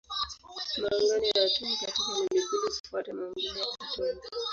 Maungano ya atomi katika molekuli hufuata maumbile ya atomi.